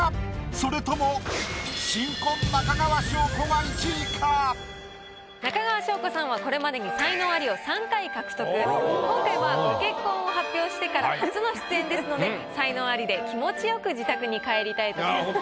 それとも中川翔子さんはこれまでに今回はご結婚を発表してから初の出演ですので才能アリで気持ちよく自宅に帰りたいところですね。